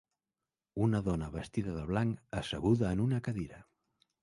Una dona vestida de blanc asseguda en una cadira.